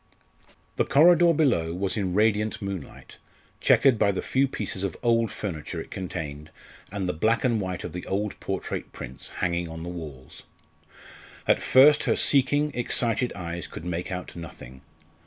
The corridor below was in radiant moonlight, chequered by the few pieces of old furniture it contained, and the black and white of the old portrait prints hanging on the walls. At first her seeking, excited eyes could make out nothing.